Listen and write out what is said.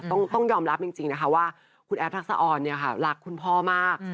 ต้องยอมรับจริงนะคะว่าคุณแอ๊บทักษะออนรักคุณพ่อมาก